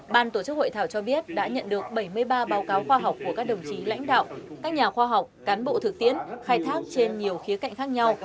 ban tổ chức hội thảo cho biết đã nhận được bảy mươi ba báo cáo khoa học của các đồng chí lãnh đạo các nhà khoa học cán bộ thực tiễn khai thác trên nhiều khía cạnh khác nhau